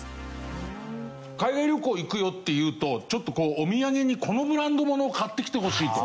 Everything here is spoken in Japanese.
海外旅行行くよっていうとちょっとこうお土産にこのブランド物を買ってきてほしいと。